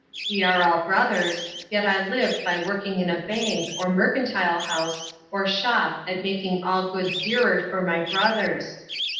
We are all brothers, yet I live by working in a bank, or mercantile house, or shop at making all goods dearer for my brothers.